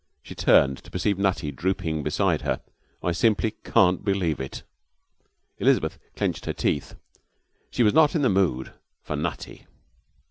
She turned, to perceive Nutty drooping beside her. 'I simply can't believe it!' Elizabeth clenched her teeth. She was not in the mood for Nutty.